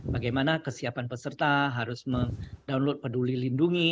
bagaimana kesiapan peserta harus mendownload peduli lindungi